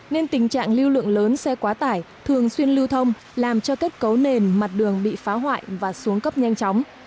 nên tình trạng lưu lượng lớn xe quá tải thường xuyên lưu thông làm cho kết cấu nền mặt đường bị phá hoại và xuống cấp nhanh chóng